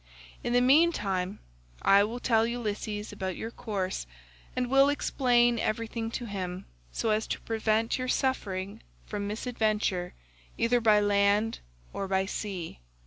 In the meantime I will tell Ulysses about your course, and will explain everything to him so as to prevent your suffering from misadventure either by land or sea.